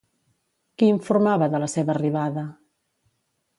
Qui informava de la seva arribada?